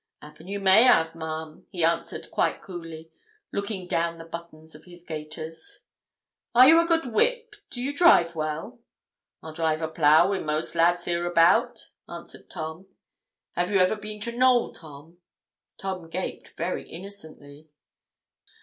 ''Appen you may have, ma'am,' he answered, quite coolly, looking down the buttons of his gaiters. 'Are you a good whip do you drive well?' 'I'll drive a plough wi' most lads hereabout,' answered Tom. 'Have you ever been to Knowl, Tom?' Tom gaped very innocently.